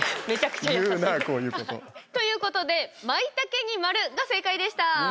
言うな、こういうこと。ということでマイタケに丸が正解でした。